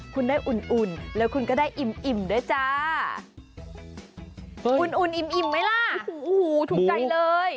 คุณได้อุ่นอุ่นแล้วคุณก็ได้อิ่มอิ่มด้วยจ้าอุ่นอุ่นอิ่มไหมล่ะโอ้โหถูกใจเลย